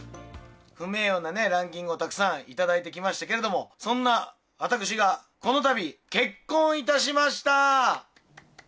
不名誉なランキングをたくさん頂いてきましたけれども、そんな私が、このたび、結婚いたしました。